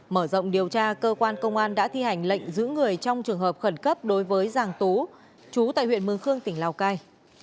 mở rộng điều tra cơ quan công an đã thi hành lệnh giữ người trong trường hợp khẩn cấp đối với giàng tú chú tại huyện mường khương tỉnh lào cai